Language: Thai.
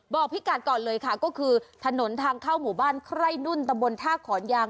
พิกัดก่อนเลยค่ะก็คือถนนทางเข้าหมู่บ้านไคร่นุ่นตะบนท่าขอนยาง